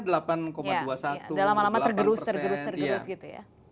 dalam alam tergerus gerus gitu ya